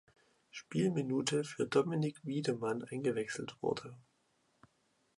Spielminute für Dominik Widemann eingewechselt wurde.